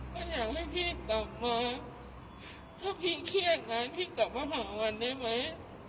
ก็อยากให้พี่กลับมาถ้าพี่เครียดอย่างนั้นพี่กลับมาหาวันได้ไหม